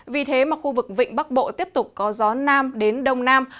vì thế mà khu vực vịnh bắc bộ tiếp tục có gió nam đến đông nam